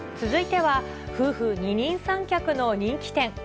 続いては、夫婦二人三脚の人気店。